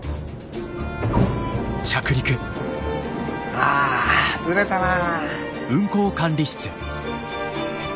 ああずれたなぁ。